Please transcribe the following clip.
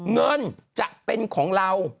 เงินจะเป็นของเรา